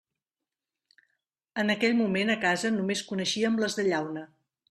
En aquell moment a casa només coneixíem les de llauna.